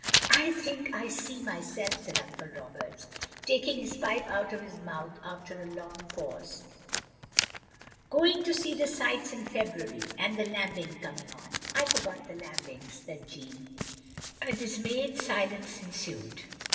" "I think I see myself," said Uncle Roberts, taking his pipe out of his mouth after a long pause, iS6 THE LONELY LADY "going to see the sights in Febniary, and the lambing coming on. "" I forgot the lambing, " said Jeanne. A dismayed silence ensued.